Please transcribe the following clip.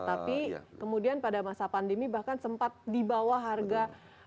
tapi kemudian pada masa pandemi bahkan sempat dibawah harga